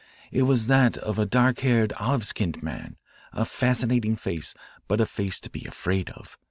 It was that of a dark haired, olive skinned man, a fascinating face, but a face to be afraid of.